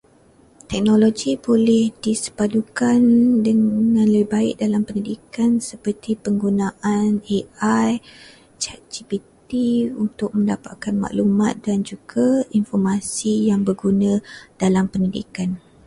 Teknologi boleh disepadukan dengan lebih baik dalam pendidikan seperti penggunakan AI, ChatGPT untuk mendapatkan maklumat dan juga informasi yang berguna dalam pendidikan.